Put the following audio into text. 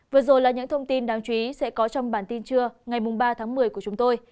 vừa rồi là những thông tin đáng chú ý sẽ có trong bản tin trưa ngày ba tháng một mươi của chúng tôi